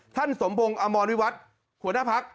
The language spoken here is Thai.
ท่านสมพงศ์อมรวิวัติหัวหน้าพลักษณ์